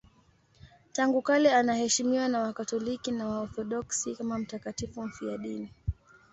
Tangu kale anaheshimiwa na Wakatoliki na Waorthodoksi kama mtakatifu mfiadini.